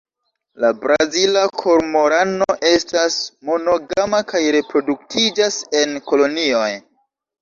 La Brazila kormorano estas monogama kaj reproduktiĝas en kolonioj.